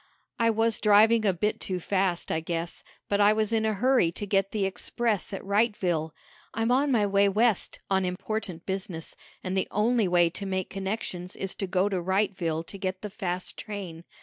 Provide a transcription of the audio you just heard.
"I was driving a bit too fast, I guess, but I was in a hurry to get the express at Wrightville. I'm on my way West, on important business, and the only way to make connections is to go to Wrightville to get the fast train.